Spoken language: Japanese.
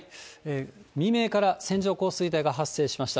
未明から線状降水帯が発生しました。